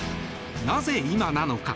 なぜ今なのか。